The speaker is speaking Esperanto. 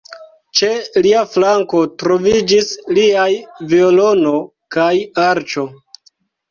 Ĉe lia flanko troviĝis liaj violono kaj arĉo.